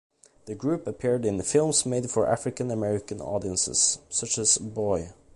The group appeared in films made for African American audiences, such as Boy!